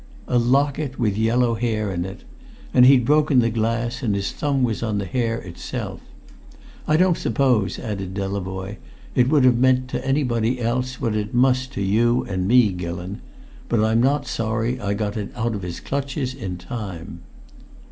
"A locket with yellow hair in it. And he'd broken the glass, and his thumb was on the hair itself! I don't suppose," added Delavoye, "it would have meant to anybody else what it must to you and me, Gillon; but I'm not sorry I got it out of his clutches in time."